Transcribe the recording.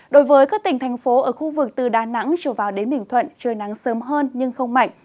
đối với các tỉnh thành phố ở khu vực từ đà nẵng trở vào đến bình thuận trời nắng sớm hơn nhưng không mạnh